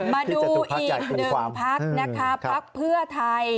มาดูอีกหนึ่งพักนะคะพักเพื่อไทย